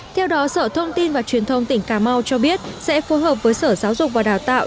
theo đó sở thông tin và truyền thông tỉnh cà mau cho biết sẽ phối hợp với sở giáo dục và đào tạo